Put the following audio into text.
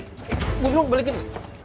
gue belum balikin